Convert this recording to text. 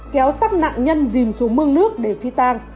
kéo sắp nạn nhân dìm xuống mương nước để phi tang